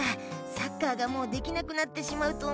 サッカーがもうできなくなってしまうと思って。